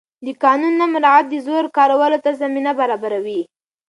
د قانون نه مراعت د زور کارولو ته زمینه برابروي